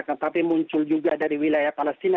tetapi muncul juga dari wilayah palestina